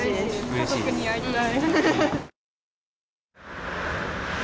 家族に会いたい。